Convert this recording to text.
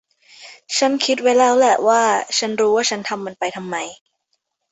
ฉันคิดไว้แล้วแหละว่า ฉันรู้ว่าฉันทำมันไปทำไม